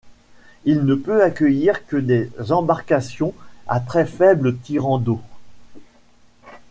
Il ne peut accueillir que des embarcations à très faible tirant d’eau.